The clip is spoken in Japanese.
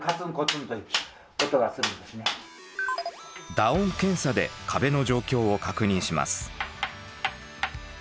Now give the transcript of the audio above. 打音検査で壁の状況を確認します。